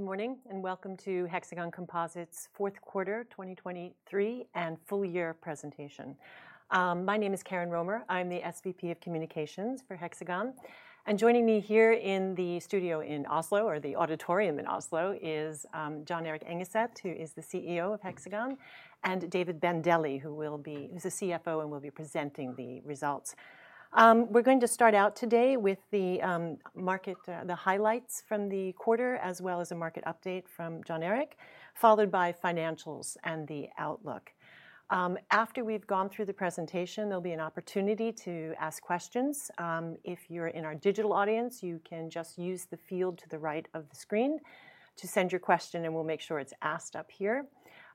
Good morning, and welcome to Hexagon Composites' fourth quarter 2023 and full year presentation. My name is Karen Romer. I'm the SVP of Communications for Hexagon, and joining me here in the studio in Oslo, or the auditorium in Oslo, is Jon Erik Engeset, who is the CEO of Hexagon, and David Bandele, who's the CFO and will be presenting the results. We're going to start out today with the market, the highlights from the quarter, as well as a market update from Jon Erik, followed by financials and the outlook. After we've gone through the presentation, there'll be an opportunity to ask questions. If you're in our digital audience, you can just use the field to the right of the screen to send your question, and we'll make sure it's asked up here,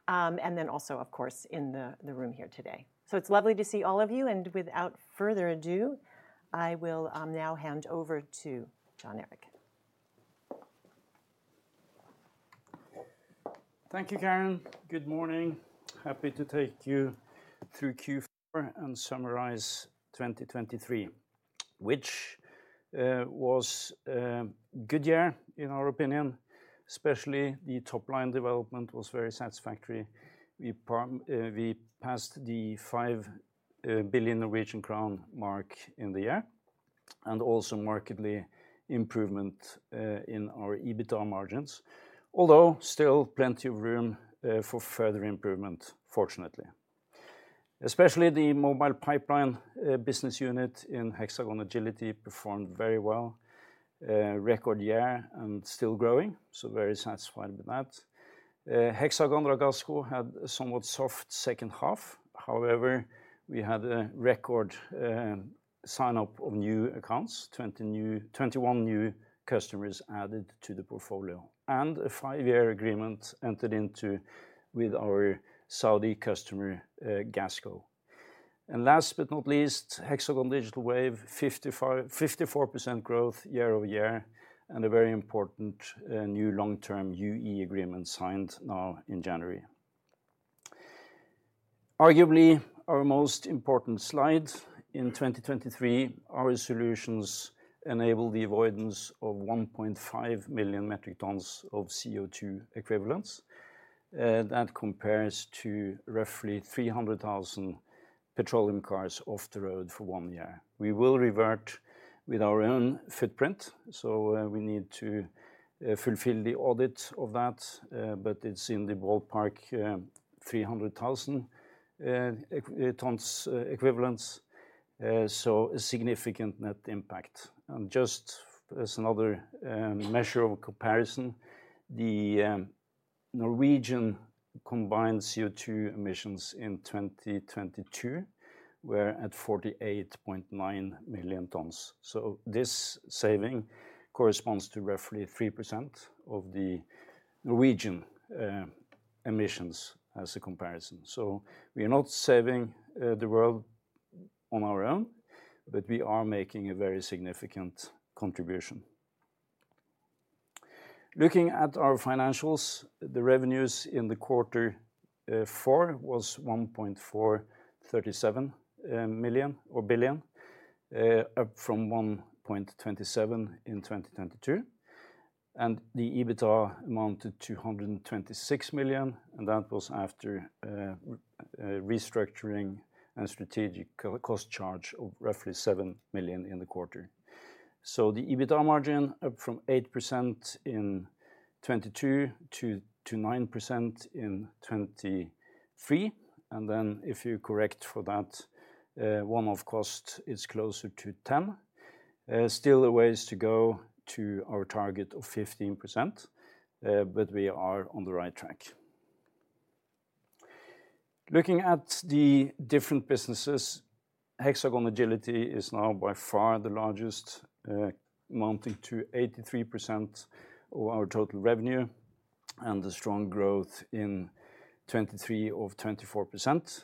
and then also, of course, in the room here today. So it's lovely to see all of you, and without further ado, I will now hand over to Jon Erik. Thank you, Karen. Good morning. Happy to take you through Q4 and summarize 2023, which was a good year, in our opinion, especially the top line development was very satisfactory. We passed the 5 billion Norwegian crown mark in the year, and also markedly improvement in our EBITDA margins, although still plenty of room for further improvement, fortunately. Especially the Mobile Pipeline business unit in Hexagon Agility performed very well. Record year and still growing, so very satisfied with that. Hexagon Ragasco had a somewhat soft second half. However, we had a record sign-up of new accounts, 21 new customers added to the portfolio, and a five-year agreement entered into with our Saudi customer, GASCO. Last but not least, Hexagon Digital Wave, 54% growth year-over-year, and a very important new long-term UE agreement signed now in January. Arguably, our most important slide in 2023, our solutions enabled the avoidance of 1.5 million metric tons of CO2 equivalents. That compares to roughly 300,000 petroleum cars off the road for one year. We will revert with our own footprint, so we need to fulfill the audit of that, but it's in the ballpark, 300,000 tons equivalents, so a significant net impact. And just as another measure of comparison, the Norwegian combined CO2 emissions in 2022 were at 48.9 million tons. So this saving corresponds to roughly 3% of the Norwegian emissions as a comparison. So we are not saving the world on our own, but we are making a very significant contribution. Looking at our financials, the revenues in the quarter four was 1.437 million or billion up from 1.27 in 2022. And the EBITDA amounted to 226 million, and that was after a restructuring and strategic cost charge of roughly 7 million in the quarter. So the EBITDA margin up from 8% in 2022 to 9% in 2023, and then if you correct for that one-off cost, it's closer to 10%. Still a ways to go to our target of 15%, but we are on the right track. Looking at the different businesses, Hexagon Agility is now by far the largest, amounting to 83% of our total revenue and a strong growth in 2023 of 24%.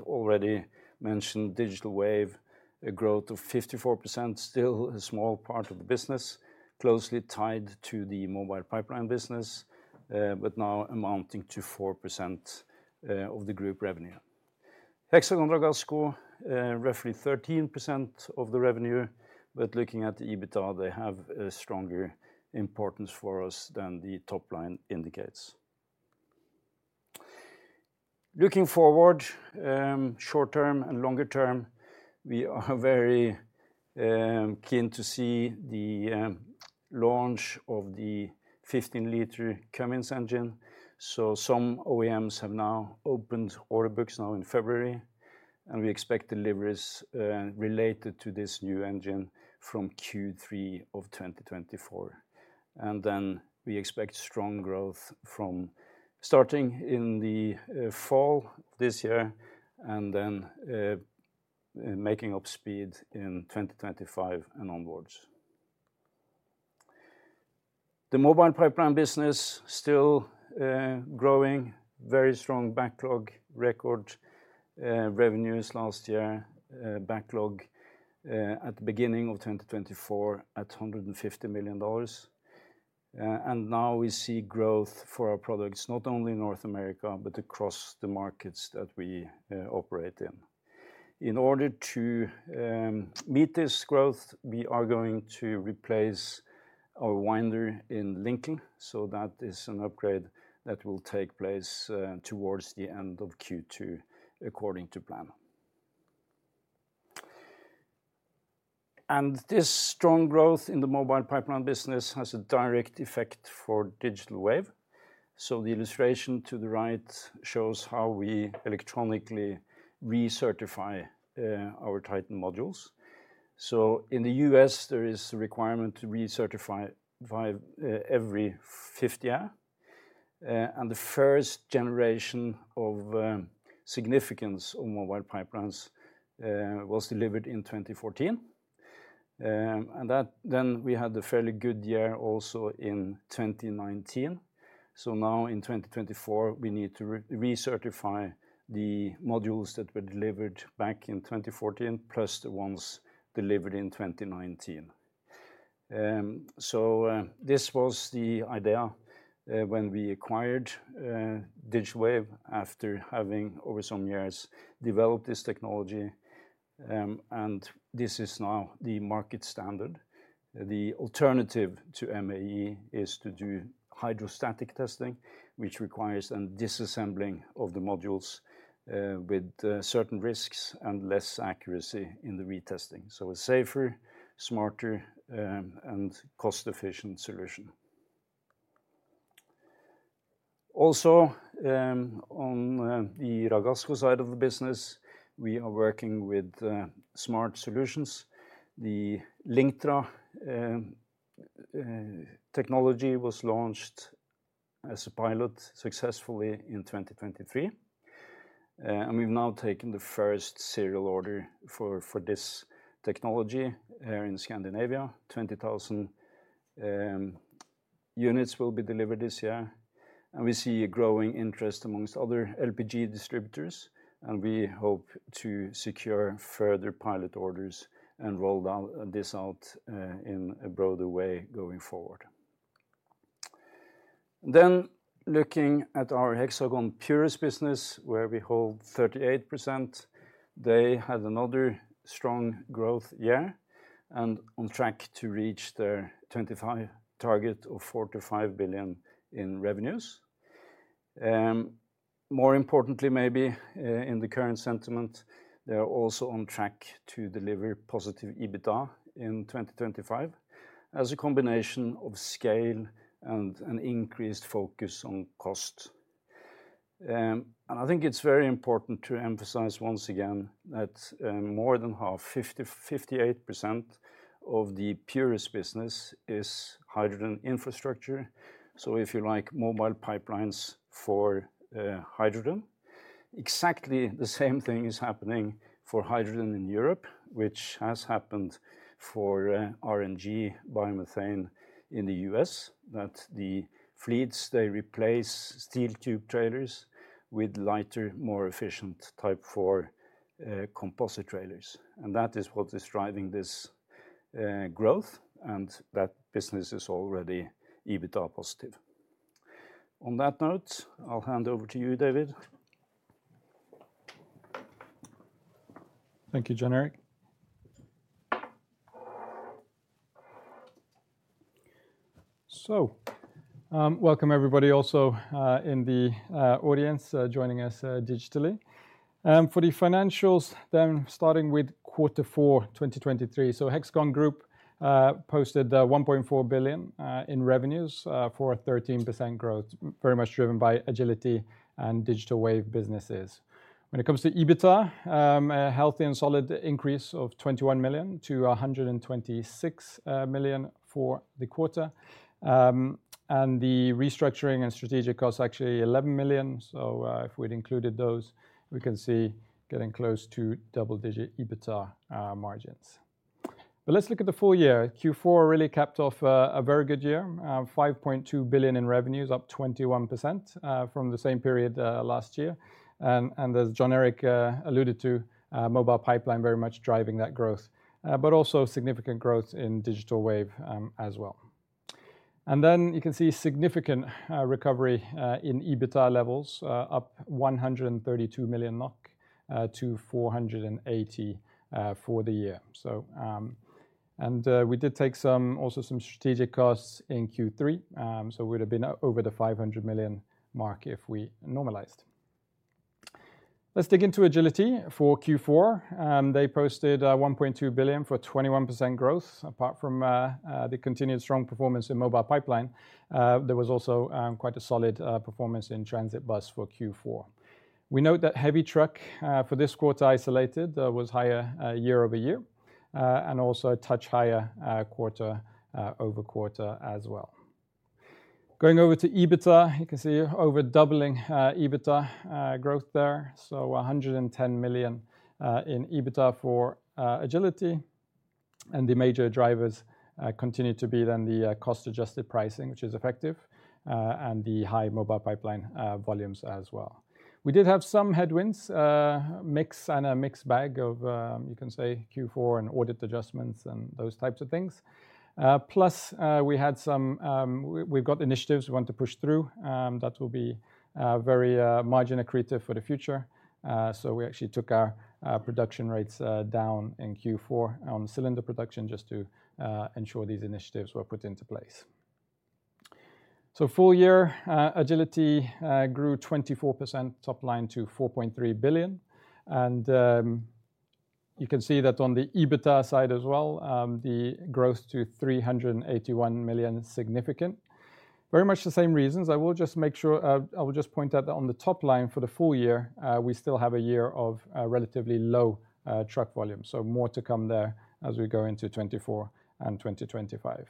Already mentioned Digital Wave, a growth of 54%, still a small part of the business, closely tied to the Mobile Pipeline business, but now amounting to 4% of the group revenue. Hexagon Ragasco, roughly 13% of the revenue, but looking at the EBITDA, they have a stronger importance for us than the top line indicates. Looking forward, short term and longer term, we are very keen to see the launch of the 15-liter Cummins engine. Some OEMs have now opened order books now in February, and we expect deliveries related to this new engine from Q3 of 2024. And then we expect strong growth from starting in the fall this year and then making up speed in 2025 and onwards. The Mobile Pipeline business still growing. Very strong backlog, record revenues last year, backlog at the beginning of 2024 at $150 million. And now we see growth for our products, not only in North America, but across the markets that we operate in.... In order to meet this growth, we are going to replace our winder in Lincoln. So that is an upgrade that will take place towards the end of Q2, according to plan. And this strong growth in the Mobile Pipeline business has a direct effect for Digital Wave. So the illustration to the right shows how we electronically recertify our TITAN modules. So in the US, there is a requirement to recertify every 50 years. And the first generation of significance on mobile pipelines was delivered in 2014. Then we had a fairly good year also in 2019. So now in 2024, we need to recertify the modules that were delivered back in 2014, plus the ones delivered in 2019. This was the idea when we acquired Digital Wave, after having, over some years, developed this technology, and this is now the market standard. The alternative to MAE is to do hydrostatic testing, which requires a disassembling of the modules with certain risks and less accuracy in the retesting. So a safer, smarter, and cost-efficient solution. Also, on the Ragasco side of the business, we are working with smart solutions. The Linktra technology was launched as a pilot successfully in 2023. And we've now taken the first serial order for this technology in Scandinavia. 20,000 units will be delivered this year, and we see a growing interest among other LPG distributors, and we hope to secure further pilot orders and roll this out in a broader way going forward. Then, looking at our Hexagon Purus business, where we hold 38%, they had another strong growth year, and on track to reach their 2025 target of 4 billion-5 billion in revenues. More importantly, maybe, in the current sentiment, they are also on track to deliver positive EBITDA in 2025, as a combination of scale and an increased focus on cost. And I think it's very important to emphasize once again that more than half, 58% of the Purus business is hydrogen infrastructure. So if you like, mobile pipelines for hydrogen. Exactly the same thing is happening for hydrogen in Europe, which has happened for RNG biomethane in the U.S., that the fleets, they replace steel tube trailers with lighter, more efficient Type 4 composite trailers. And that is what is driving this growth, and that business is already EBITDA positive. On that note, I'll hand over to you, David. Thank you, Jon Erik. So, welcome, everybody, also, in the audience, joining us digitally. For the financials, then starting with Q4 2023. So Hexagon Group posted 1.4 billion in revenues for a 13% growth, very much driven by Agility and Digital Wave businesses. When it comes to EBITDA, a healthy and solid increase of 21 million-126 million for the quarter. And the restructuring and strategic costs, actually 11 million, so, if we'd included those, we can see getting close to double-digit EBITDA margins. But let's look at the full year. Q4 really capped off a very good year. 5.2 billion in revenues, up 21% from the same period last year. And as Jon Erik alluded to, Mobile Pipeline very much driving that growth, but also significant growth in Digital Wave, as well. And then you can see significant recovery in EBITDA levels, up 132 million NOK to 480 million for the year. So, And, we did take some, also some strategic costs in Q3, so we'd have been over the 500 million mark if we normalized. Let's dig into Agility for Q4. They posted 1.2 billion for 21% growth. Apart from the continued strong performance in Mobile Pipeline, there was also quite a solid performance in transit bus for Q4. We note that heavy truck for this quarter, isolated, was higher year-over-year and also a touch higher quarter-over-quarter as well. Going over to EBITDA, you can see over doubling EBITDA growth there, so 110 million in EBITDA for Agility. And the major drivers continue to be then the cost-adjusted pricing, which is effective, and the high mobile pipeline volumes as well. We did have some headwinds mix and a mixed bag of you can say Q4 and audit adjustments and those types of things. Plus we had some we've got initiatives we want to push through that will be very margin accretive for the future. So we actually took our production rates down in Q4 on cylinder production just to ensure these initiatives were put into place. So full year, Agility, grew 24% top line to 4.3 billion. And, you can see that on the EBITDA side as well, the growth to 381 million is significant. Very much the same reasons. I will just make sure, I will just point out that on the top line for the full year, we still have a year of relatively low truck volume. So more to come there as we go into 2024 and 2025.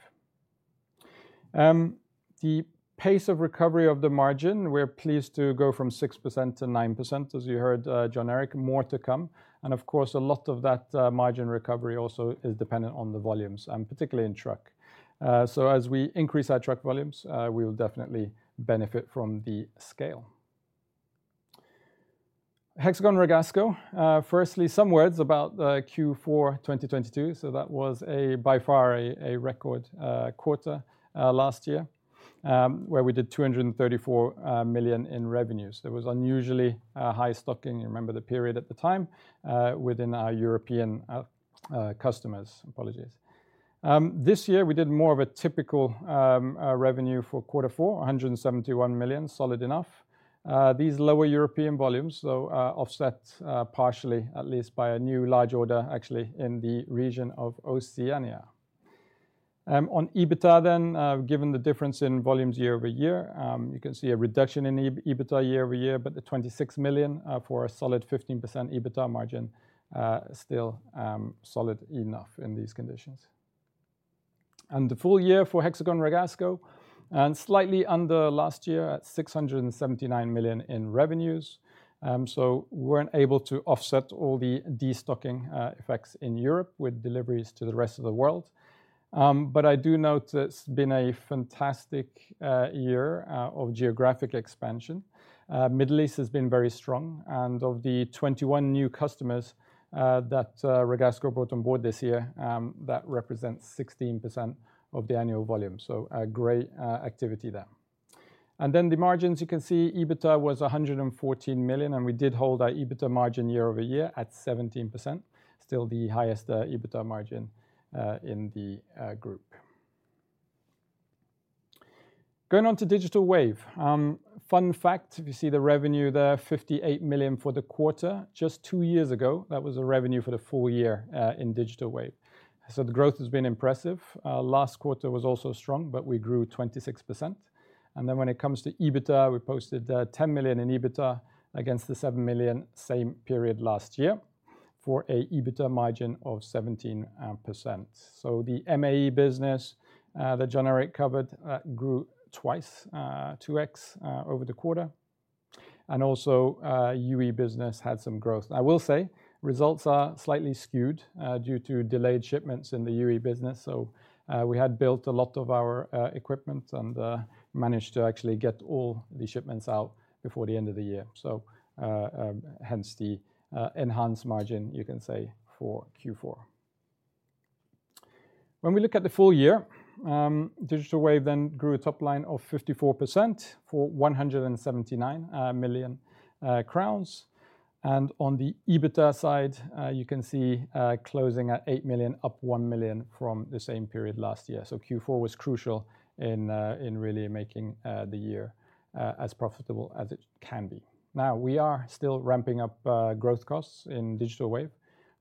The pace of recovery of the margin, we're pleased to go from 6% to 9%, as you heard, Jon Erik, more to come. Of course, a lot of that, margin recovery also is dependent on the volumes, and particularly in truck. So as we increase our truck volumes, we will definitely benefit from the scale. Hexagon Ragasco, firstly, some words about the Q4 2022. So that was, by far, a record quarter last year, where we did 234 million in revenues. There was unusually high stocking, you remember the period at the time, within our European customers. Apologies. This year we did more of a typical revenue for quarter four, 171 million, solid enough. These lower European volumes, though, are offset, partially, at least by a new large order, actually in the region of Oceania. On EBITDA then, given the difference in volumes year-over-year, you can see a reduction in EBITDA year-over-year, but the 26 million, for a solid 15% EBITDA margin, still solid enough in these conditions. And the full year for Hexagon Ragasco, and slightly under last year at 679 million in revenues. So we weren't able to offset all the destocking effects in Europe with deliveries to the rest of the world. But I do note it's been a fantastic year of geographic expansion. Middle East has been very strong, and of the 21 new customers that Ragasco brought on board this year, that represents 16% of the annual volume. So a great activity there. And then the margins, you can see EBITDA was 114 million, and we did hold our EBITDA margin year-over-year at 17%, still the highest EBITDA margin in the group. Going on to Digital Wave. Fun fact, if you see the revenue there, 58 million for the quarter, just two years ago, that was the revenue for the full year in Digital Wave. So the growth has been impressive. Last quarter was also strong, but we grew 26%. And then when it comes to EBITDA, we posted 10 million in EBITDA against the 7 million, same period last year, for an EBITDA margin of 17%. So the MAE business that Jon Erik covered grew twice, 2x, over the quarter, and also UE business had some growth. I will say, results are slightly skewed due to delayed shipments in the UE business. So, we had built a lot of our equipment and managed to actually get all the shipments out before the end of the year. So, hence the enhanced margin, you can say, for Q4. When we look at the full year, Digital Wave then grew a top line of 54% for 179 million crowns. And on the EBITDA side, you can see closing at 8 million, up 1 million from the same period last year. So Q4 was crucial in really making the year as profitable as it can be. Now, we are still ramping up growth costs in Digital Wave,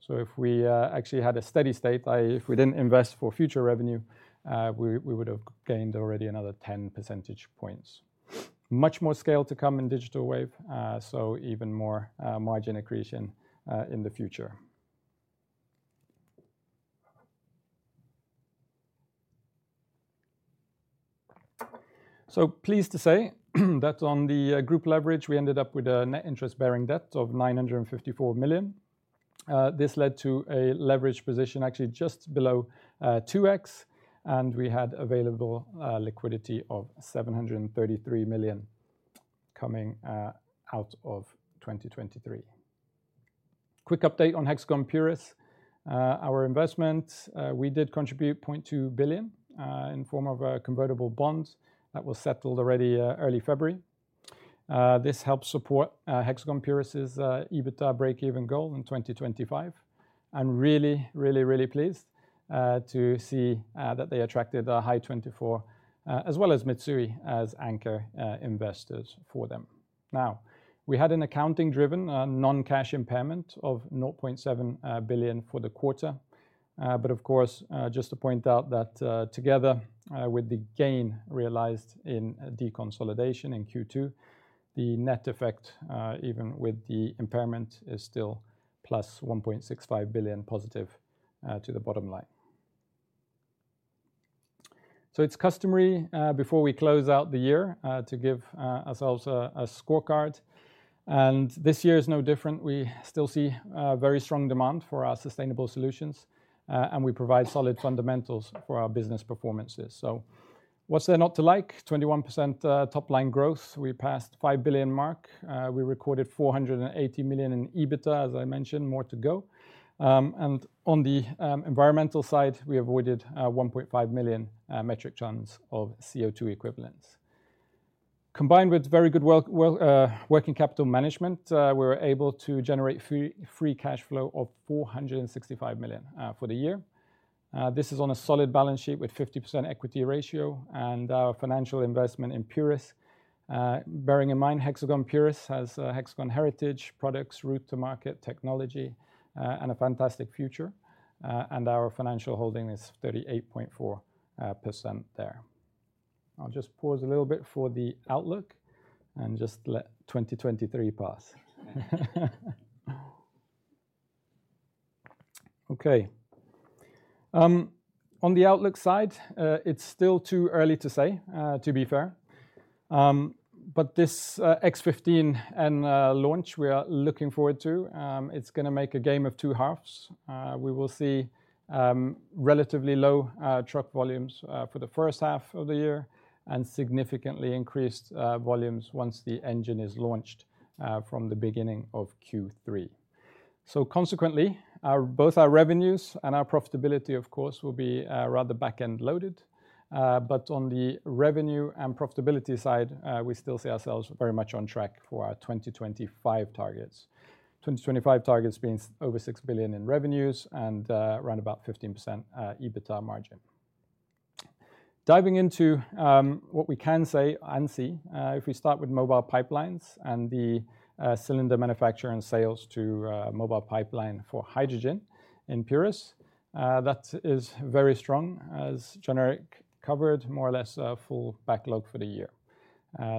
so if we actually had a steady state, i.e., if we didn't invest for future revenue, we would have gained already another 10 percentage points. Much more scale to come in Digital Wave, so even more margin accretion in the future. So pleased to say that on the group leverage, we ended up with a net interest bearing debt of 954 million. This led to a leverage position actually just below 2x, and we had available liquidity of 733 million coming out of 2023. Quick update on Hexagon Purus. Our investment, we did contribute 0.2 billion in form of a convertible bond that was settled already early February. This helps support Hexagon Purus' EBITDA breakeven goal in 2025. I'm really, really, really pleased to see that they attracted the Hy24, as well as Mitsui, as anchor investors for them. Now, we had an accounting-driven non-cash impairment of 0.7 billion for the quarter. But of course, just to point out that, together with the gain realized in deconsolidation in Q2, the net effect, even with the impairment, is still plus 1.65 billion positive to the bottom line. So it's customary before we close out the year to give ourselves a scorecard, and this year is no different. We still see very strong demand for our sustainable solutions, and we provide solid fundamentals for our business performances. So what's there not to like? 21% top line growth. We passed 5 billion mark. We recorded 480 million in EBITDA, as I mentioned, more to go. And on the environmental side, we avoided 1.5 million metric tons of CO2 equivalents. Combined with very good working capital management, we're able to generate free cash flow of 465 million for the year. This is on a solid balance sheet with 50% equity ratio and our financial investment in Purus. Bearing in mind, Hexagon Purus has a Hexagon heritage, products, route to market, technology, and a fantastic future, and our financial holding is 38.4% there. I'll just pause a little bit for the outlook and just let 2023 pass. Okay. On the outlook side, it's still too early to say, to be fair. But this X15N launch, we are looking forward to. It's gonna make a game of two halves. We will see relatively low truck volumes for the first half of the year and significantly increased volumes once the engine is launched from the beginning of Q3. So consequently, both our revenues and our profitability, of course, will be rather back-end loaded. But on the revenue and profitability side, we still see ourselves very much on track for our 2025 targets. 2025 targets being over 6 billion in revenues and around about 15% EBITDA margin. Diving into what we can say and see, if we start with mobile pipelines and the cylinder manufacture and sales to mobile pipeline for hydrogen in Purus, that is very strong, as Jon Erik covered, more or less a full backlog for the year.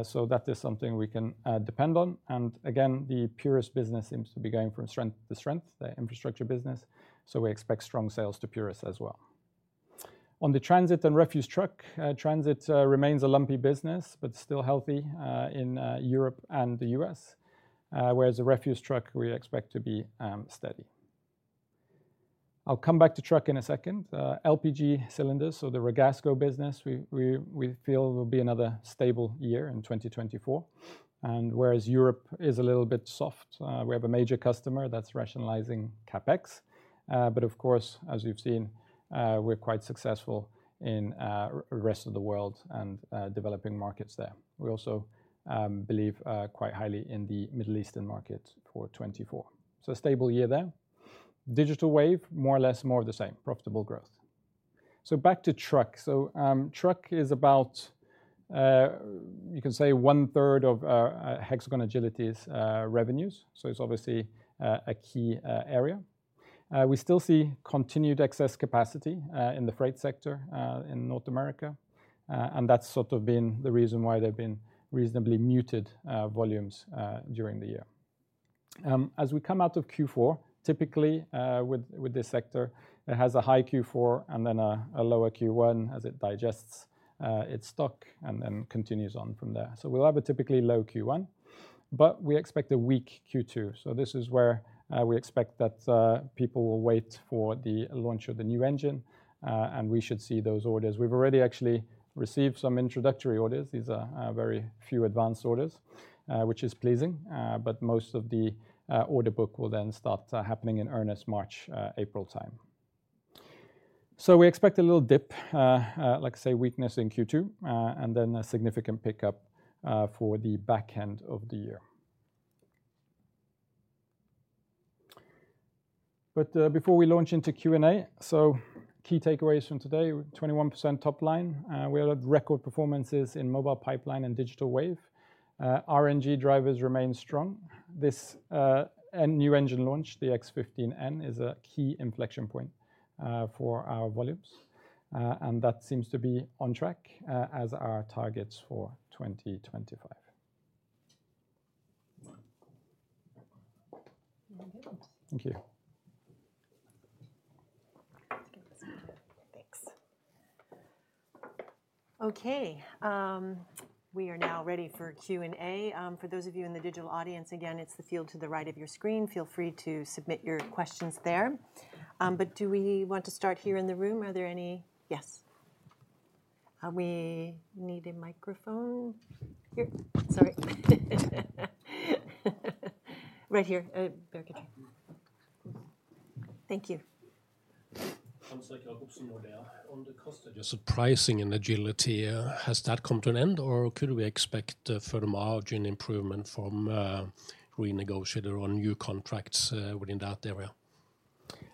So that is something we can depend on. And again, the Purus business seems to be going from strength to strength, the infrastructure business, so we expect strong sales to Purus as well. On the transit and refuse truck transit remains a lumpy business, but still healthy in Europe and the U.S. Whereas the refuse truck we expect to be steady. I'll come back to truck in a second. LPG cylinders, so the Ragasco business, we feel will be another stable year in 2024. Whereas Europe is a little bit soft, we have a major customer that's rationalizing CapEx. But of course, as you've seen, we're quite successful in rest of the world and developing markets there. We also believe quite highly in the Middle Eastern market for 2024. So a stable year there. Digital Wave, more or less more of the same, profitable growth. So back to truck. Truck is about, you can say one third of Hexagon Agility's revenues, so it's obviously a key area. We still see continued excess capacity in the freight sector in North America. And that's sort of been the reason why there have been reasonably muted volumes during the year. As we come out of Q4, typically, with this sector, it has a high Q4 and then a lower Q1 as it digests its stock and then continues on from there. So we'll have a typically low Q1, but we expect a weak Q2. So this is where we expect that people will wait for the launch of the new engine, and we should see those orders. We've already actually received some introductory orders. These are very few advanced orders, which is pleasing, but most of the order book will then start happening in earnest March, April time. So we expect a little dip, like I say, weakness in Q2, and then a significant pickup for the back end of the year. But, before we launch into Q&A, so key takeaways from today: 21% top line. We had record performances in Mobile Pipeline and Digital Wave. RNG drivers remain strong. This, new engine launch, the X15N, is a key inflection point, for our volumes, and that seems to be on track, as are targets for 2025. Very good. Thank you. Thanks. Okay, we are now ready for Q&A. For those of you in the digital audience, again, it's the field to the right of your screen. Feel free to submit your questions there. But do we want to start here in the room? Are there any... Yes. We need a microphone. Here. Sorry. Right here. Very good. Thank you. On the cost edge of pricing and Agility, has that come to an end, or could we expect a further margin improvement from renegotiated or new contracts within that area?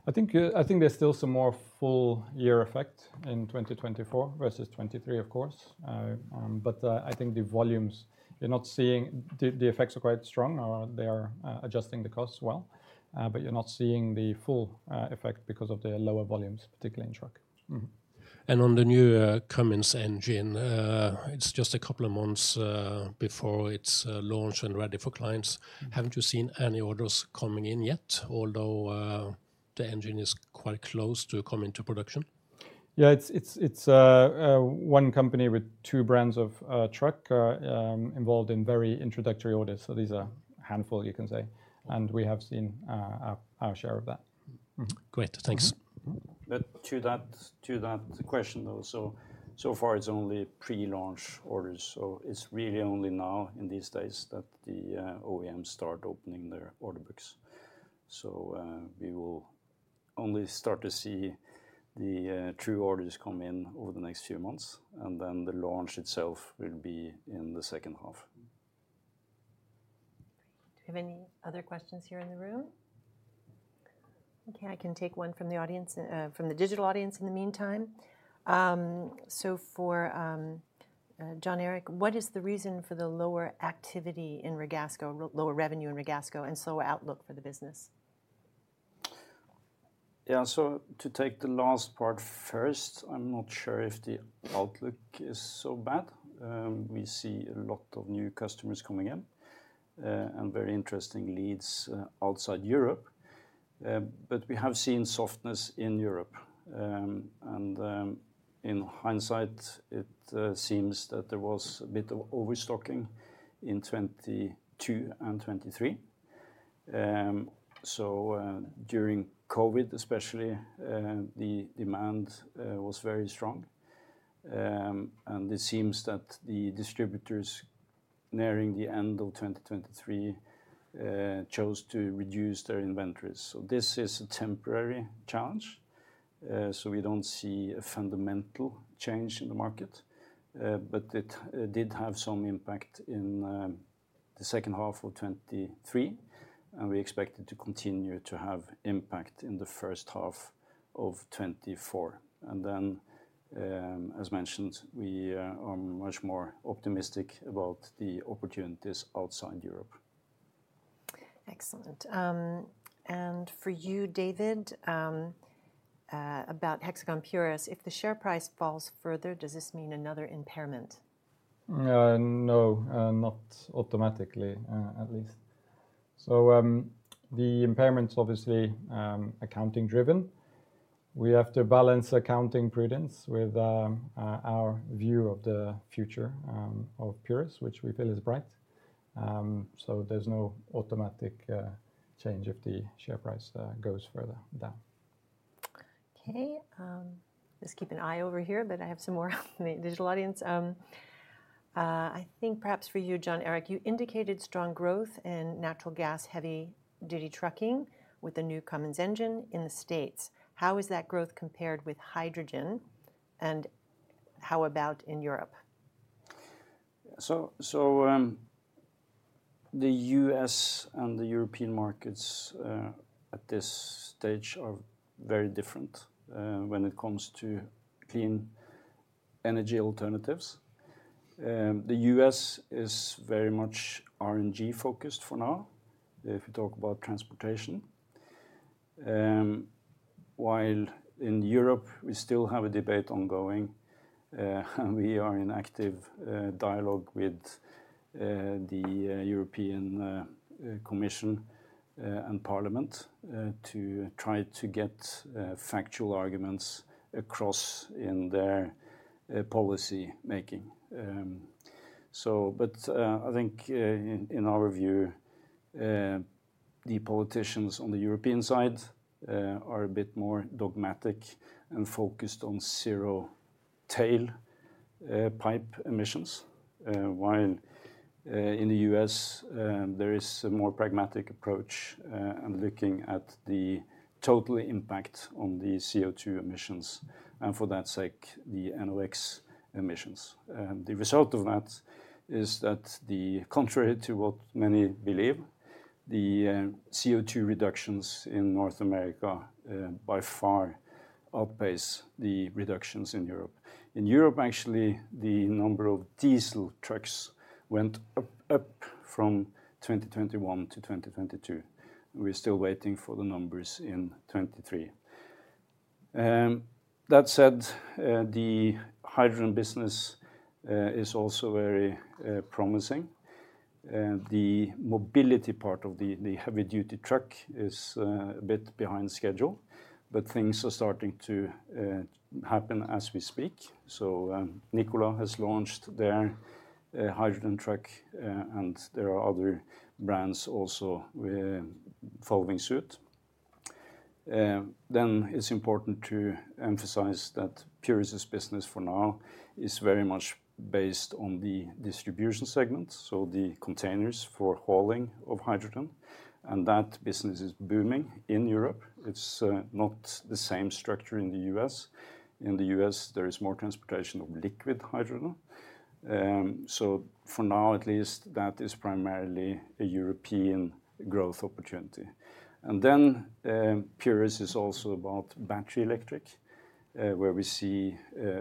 I think, I think there's still some more full year effect in 2024 versus 2023, of course. But, I think the volumes, you're not seeing... The effects are quite strong. They are adjusting the costs well, but you're not seeing the full effect because of the lower volumes, particularly in truck. On the new Cummins engine, it's just a couple of months before it's launched and ready for clients. Mm-hmm. Haven't you seen any orders coming in yet, although the engine is quite close to coming to production? Yeah, it's one company with two brands of truck involved in very introductory orders. So these are a handful, you can say, and we have seen our share of that. Mm-hmm. Great. Thanks. Mm-hmm. But to that, to that question, also, so far it's only pre-launch orders, so it's really only now in these days that the OEM start opening their order books. So, we will-only start to see the true orders come in over the next few months, and then the launch itself will be in the second half. Do we have any other questions here in the room? Okay, I can take one from the audience, from the digital audience in the meantime. So for Jon Erik, what is the reason for the lower activity in Ragasco, lower revenue in Ragasco, and slower outlook for the business? Yeah, so to take the last part first, I'm not sure if the outlook is so bad. We see a lot of new customers coming in, and very interesting leads, outside Europe. But we have seen softness in Europe. And, in hindsight, it seems that there was a bit of overstocking in 2022 and 2023. So, during COVID especially, the demand was very strong. And it seems that the distributors nearing the end of 2023 chose to reduce their inventories. So this is a temporary challenge. So we don't see a fundamental change in the market, but it did have some impact in the second half of 2023, and we expect it to continue to have impact in the first half of 2024. And then, as mentioned, we are much more optimistic about the opportunities outside Europe. Excellent. And for you, David, about Hexagon Purus, if the share price falls further, does this mean another impairment? No, not automatically, at least. So, the impairment's obviously accounting driven. We have to balance accounting prudence with our view of the future of Purus, which we feel is bright. So, there's no automatic change if the share price goes further down. Okay, just keep an eye over here, but I have some more from the digital audience. I think perhaps for you, Jon Erik, you indicated strong growth in natural gas, heavy-duty trucking with the new Cummins engine in the States. How is that growth compared with hydrogen, and how about in Europe? So, the U.S. and the European markets at this stage are very different when it comes to clean energy alternatives. The U.S. is very much RNG focused for now, if you talk about transportation. While in Europe, we still have a debate ongoing, and we are in active dialogue with the European Commission and Parliament to try to get factual arguments across in their policy making. But, I think, in our view, the politicians on the European side are a bit more dogmatic and focused on zero tailpipe emissions. While in the U.S., there is a more pragmatic approach and looking at the total impact on the CO2 emissions, and for that sake, the NOx emissions. The result of that is that the contrary to what many believe, the CO2 reductions in North America by far outpace the reductions in Europe. In Europe, actually, the number of diesel trucks went up from 2021 to 2022. We're still waiting for the numbers in 2023. That said, the hydrogen business is also very promising. The mobility part of the heavy-duty truck is a bit behind schedule, but things are starting to happen as we speak. So, Nikola has launched their hydrogen truck, and there are other brands also following suit. Then it's important to emphasize that Purus' business for now is very much based on the distribution segment, so the containers for hauling of hydrogen, and that business is booming in Europe. It's not the same structure in the U.S. In the U.S., there is more transportation of liquid hydrogen. So for now at least, that is primarily a European growth opportunity. And then, Purus is also about battery electric, where we see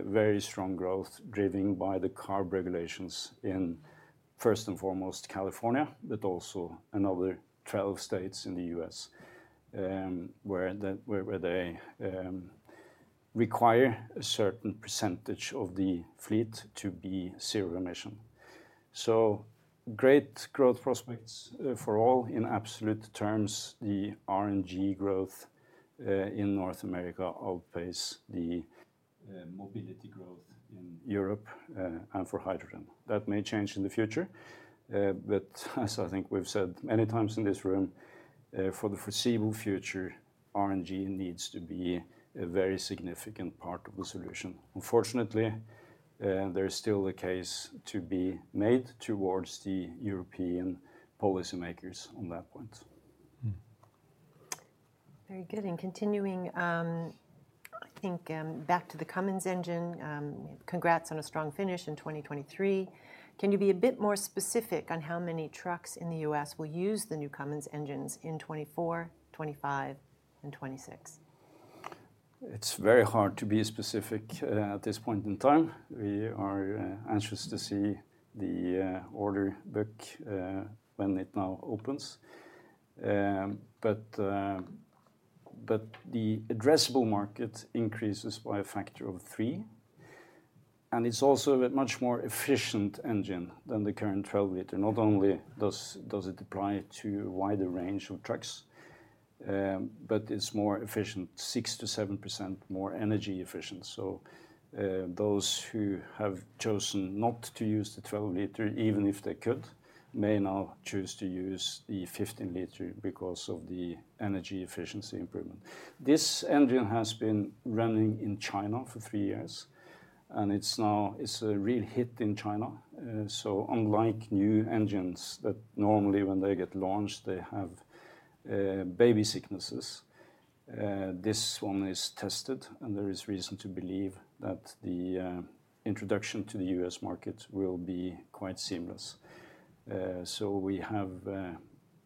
very strong growth driven by the CARB regulations in, first and foremost, California, but also another 12 states in the U.S., where they require a certain percentage of the fleet to be zero emission. So great growth prospects for all. In absolute terms, the RNG growth in North America outpace the mobility growth in Europe, and for hydrogen. That may change in the future, but as I think we've said many times in this room, for the foreseeable future, RNG needs to be a very significant part of the solution. Unfortunately, there is still a case to be made towards the European policymakers on that point. Mm-hmm.... Very good, and continuing, I think, back to the Cummins engine, congrats on a strong finish in 2023. Can you be a bit more specific on how many trucks in the U.S. will use the new Cummins engines in 2024, 2025, and 2026? It's very hard to be specific at this point in time. We are anxious to see the order book when it now opens. But the addressable market increases by a factor of three, and it's also a much more efficient engine than the current 12-liter. Not only does it apply to a wider range of trucks, but it's more efficient, 6%-7% more energy efficient. So, those who have chosen not to use the 12-liter, even if they could, may now choose to use the 15-liter because of the energy efficiency improvement. This engine has been running in China for three years, and it's a real hit in China. So, unlike new engines that normally, when they get launched, they have baby sicknesses, this one is tested, and there is reason to believe that the introduction to the U.S. market will be quite seamless. So, we have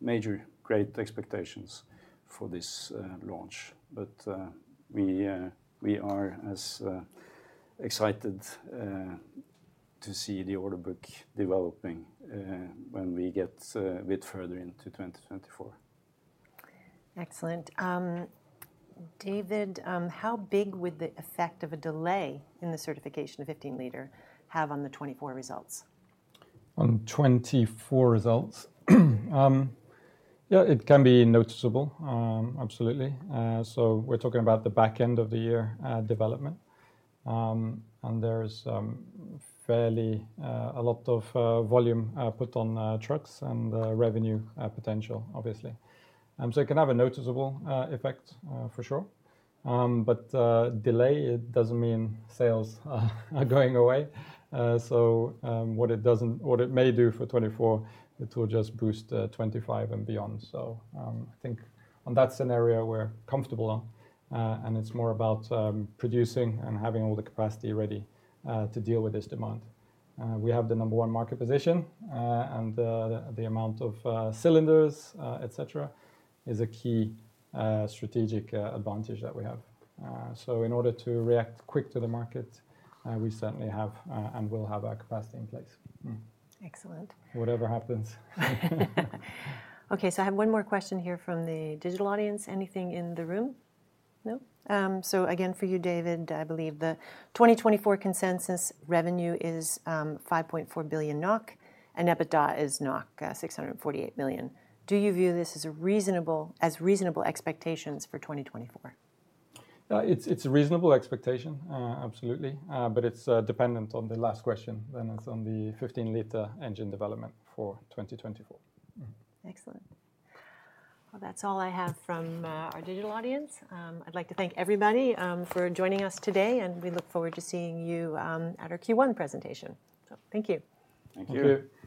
major great expectations for this launch, but we are as excited to see the order book developing when we get a bit further into 2024. Excellent. David, how big would the effect of a delay in the certification of 15-liter have on the 2024 results? On 2024 results? Yeah, it can be noticeable, absolutely. So we're talking about the back end of the year development. And there's fairly a lot of volume put on trucks and revenue potential, obviously. So it can have a noticeable effect, for sure. But delay, it doesn't mean sales are going away. So what it may do for 2024, it will just boost 2025 and beyond. So I think on that scenario, we're comfortable on, and it's more about producing and having all the capacity ready to deal with this demand. We have the number one market position, and the amount of cylinders, et cetera, is a key strategic advantage that we have. In order to react quick to the market, we certainly have and will have our capacity in place. Excellent. Whatever happens. Okay, so I have one more question here from the digital audience. Anything in the room? No. So again, for you, David, I believe the 2024 consensus revenue is 5.4 billion NOK and EBITDA is 648 million. Do you view this as a reasonable- as reasonable expectations for 2024? It's a reasonable expectation, absolutely. But it's dependent on the last question, and it's on the 15-liter engine development for 2024. Excellent. Well, that's all I have from our digital audience. I'd like to thank everybody for joining us today, and we look forward to seeing you at our Q1 presentation. So thank you. Thank you. Thank you!